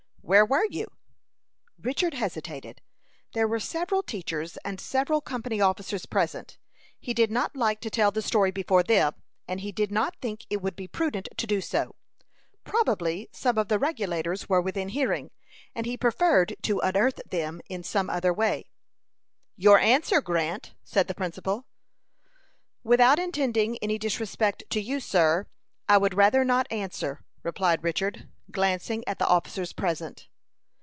"Where were you?" Richard hesitated; there were several teachers and several company officers present. He did not like to tell the story before them, and he did not think it would be prudent to do so. Probably some of the Regulators were within hearing, and he preferred to unearth them in some other way. "Your answer, Grant," said the principal. "Without intending any disrespect to you, sir, I would rather not answer," replied Richard, glancing at the officers present.